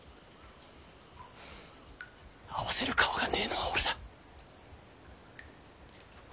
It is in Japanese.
合わせる顔がねぇのは俺だ。